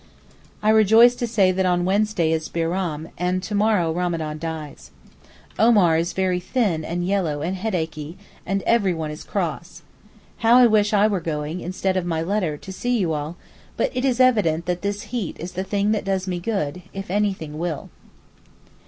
I rejoice to say that on Wednesday is Bairam, and to morrow Ramadan 'dies.' Omar is very thin and yellow and headachy, and everyone is cross. How I wish I were going, instead of my letter, to see you all, but it is evident that this heat is the thing that does me good, if anything will.